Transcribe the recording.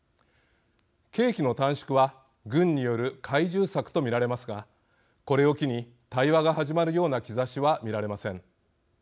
刑期の短縮は軍による懐柔策と見られますがこれを機に対話が始まるような兆しは見られません。